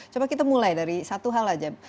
coba kita mulai dari satu hal aja